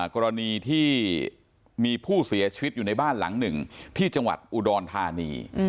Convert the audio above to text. กรณีที่มีผู้เสียชีวิตอยู่ในบ้านหลังหนึ่งที่จังหวัดอุดรธานี